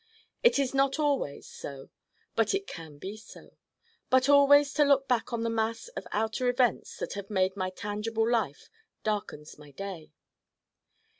It is not always so but it can be so. But always to look back on the mass of outer events that have made my tangible life darkens my day.